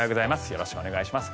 よろしくお願いします。